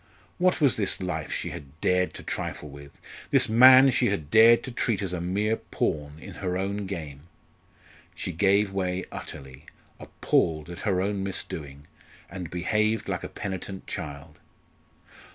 What was this life she had dared to trifle with this man she had dared to treat as a mere pawn in her own game? She gave way utterly, appalled at her own misdoing, and behaved like a penitent child.